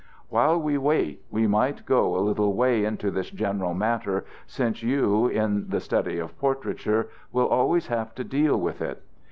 "While we wait, we might go a little way into this general matter, since you, in the study of portraiture, will always have to deal with it.